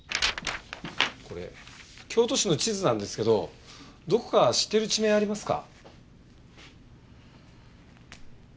これ京都市の地図なんですけどどこか知ってる地名ありますか？